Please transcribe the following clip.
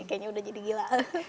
kayaknya udah jadi gila